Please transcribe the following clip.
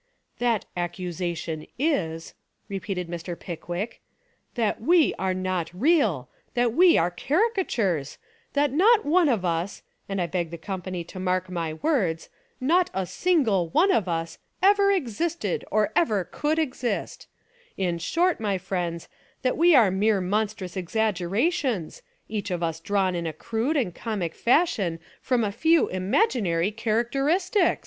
"That accusation is," repeated Mr. Pick wick, "that we are not real, that we are carica tures, that not one of us, and I beg the company to mark my words, not a single one of us, ever existed, or ever could exist; in short, my friends, that we are mere monstrous exaggera tions, each of us drawn in a crude and comic fashion from a few imaginary characteris tics!!"